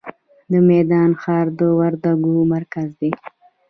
د میدان ښار د وردګو مرکز دی